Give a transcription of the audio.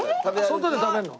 外で食べるの？